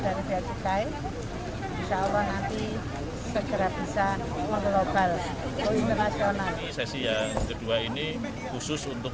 dari gresikai insyaallah nanti segera bisa mengglobal internasional ini khusus untuk